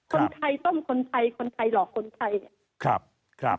คนไทยต้นคนไทยคนไทยหลอกคนไทย